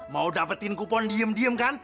mau dapetin kupon diem diem kan